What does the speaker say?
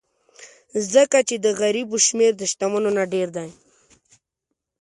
ځکه چې د غریبو شمېر د شتمنو نه ډېر دی.